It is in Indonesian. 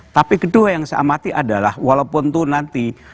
tapi kedua yang saya amati adalah walaupun itu nanti